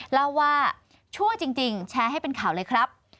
เล่าว่าชั่วจริงแชร์ให้เป็นข่าวเลยครับ